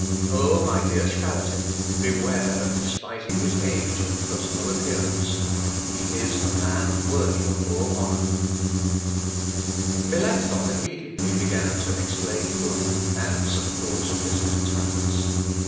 Oh, my dear Spalatin, beware of despising his age and personal appearance. He is a man worthy of all honour. Luth. Ep. i, 135. Melancthon immediately began to explain Homer, and St. Paul's Epistle to Titus.